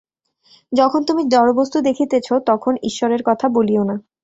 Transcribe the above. যখন তুমি জড়বস্তু দেখিতেছ, তখন ঈশ্বরের কথা বলিও না।